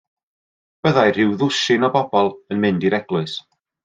Byddai rhyw ddwsin o'r bobl yn mynd i'r eglwys.